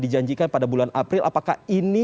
dijanjikan pada bulan april apakah ini